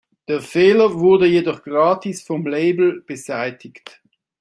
Der Fehler wurde jedoch gratis vom Label beseitigt.